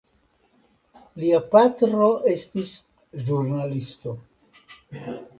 Lia patro estis ĵurnalisto.